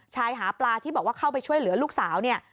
หาปลาที่บอกว่าเข้าไปช่วยเหลือลูกสาวเนี่ย